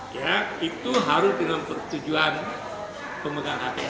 jadi itu harus dengan tujuan pemegang hpl